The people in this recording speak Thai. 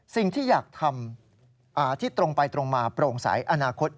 สิ่งที่อยากทำที่ตรงไปตรงมาโปร่งใสอนาคต